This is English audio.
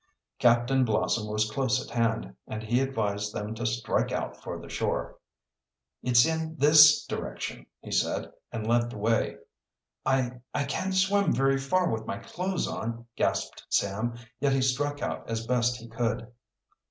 Captain Blossom was close at hand, and he advised them to strike out for the shore. "It's in this direction," he said, and led the way. "I I can't swim very far with my clothes on," gasped Sam, yet he struck out as best he could.